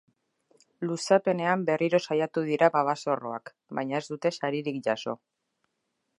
Luzapenean berriro saiatu dira babazorroak, baina ez dute saririk jaso.